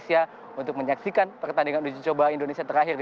yang terakhir adalah yang terakhir